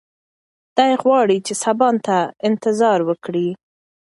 دی غواړي چې سبا ته انتظار وکړي.